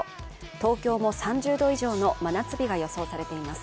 東京も３０度以上の真夏日が予想されています。